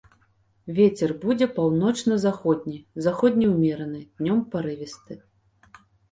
Вецер будзе паўночна-заходні, заходні ўмераны, днём парывісты.